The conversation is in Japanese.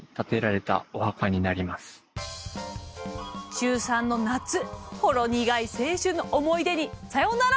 中３の夏ほろ苦い青春の思い出にさようなら！